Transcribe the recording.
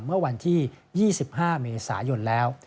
เมื่อวันที่๒๕เมษายนแล้ว